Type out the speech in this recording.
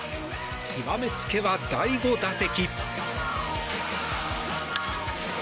極めつけは、第５打席。